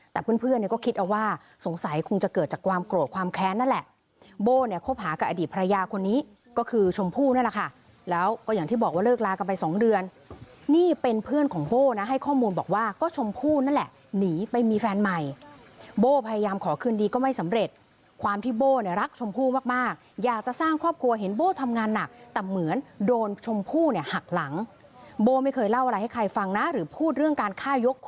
แต่เพื่อนก็คิดเอาว่าสงสัยคงจะเกิดจากความโกรธความแค้นนั่นแหละโบ้เนี่ยคบหากับอดีตภรรยาคนนี้ก็คือชมพู่นั่นแหละค่ะแล้วก็อย่างที่บอกว่าเลิกลากลับไปสองเดือนนี่เป็นเพื่อนของโบ้นะให้ข้อมูลบอกว่าก็ชมพู่นั่นแหละหนีไปมีแฟนใหม่โบ้พยายามขอขึ้นดีก็ไม่สำเร็จความที่โบ้เนี่ยรักชมพู่มาก